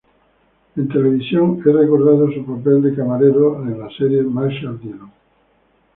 En televisión, es recordado su papel de camarero en la serie "Marshall Dillon".